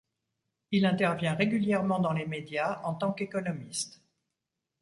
Il intervient régulièrement dans les médias en tant qu'économiste.